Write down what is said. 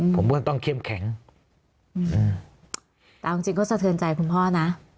ผมก็ต้องเข้มแข็งแต่เอาจริงจริงก็สะเทือนใจคุณพ่อนะ